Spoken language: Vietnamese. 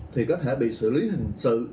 thì có thể bị xử lý hình sự